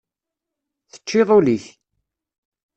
Teččiḍ ul-ik.